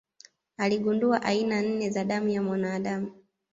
Aligundua aina nne za damu ya mwanadamu.